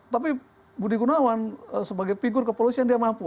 tapi budi gunawan sebagai figur kepolisian dia mampu